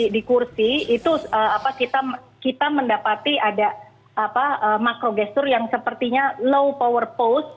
di kursi itu kita mendapati ada makrogestur yang sepertinya low power pose